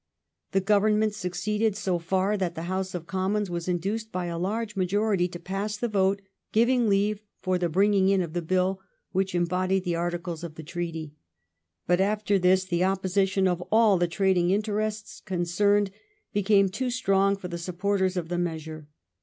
The Government succeeded so far that the House of Commons was induced by a large majority to pass the vote giving leave for the bringing in of the Bill which embodied the articles of the treaty. But after this the opposi tion of all the trading interests concerned became too strong for the supporters of the measure.